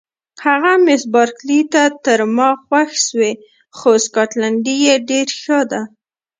هغه مس بارکلي ته تر ما خوښ شوې، خو سکاټلنډۍ یې ډېره ښه ده.